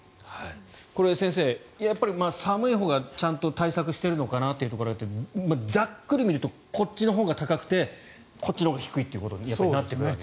これは先生、やっぱり寒いほうがちゃんと対策してるのかなというところですがざっくり見るとこっちのほうが高くてこっちのほうが低いということになってくる。